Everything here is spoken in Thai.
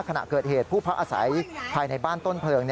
ขณะเกิดเหตุผู้พักอาศัยภายในบ้านต้นเพลิง